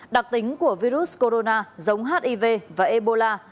đặc tính của virus corona giống hiv và ebola